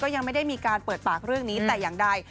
ยังไม่ได้มีการเปิดปากเรื่องนี้แต่อย่างใด